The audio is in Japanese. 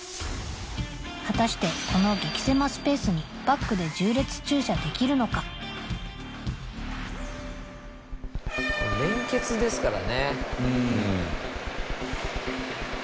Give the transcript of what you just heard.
果たしてこの激せまスペースにバックで縦列駐車できるのか連節ですからね。